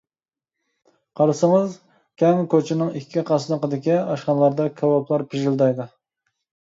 قارىسىڭىز، كەڭ كوچىنىڭ ئىككى قاسنىقىدىكى ئاشخانىلاردا كاۋاپلار پىژىلدايدۇ.